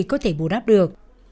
có thể bù đáp được